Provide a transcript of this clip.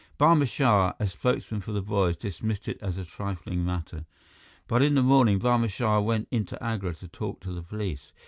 Barma Shah, as spokesman for the boys, dismissed it as a trifling matter. But in the morning, Barma Shah went into Agra to talk to the police.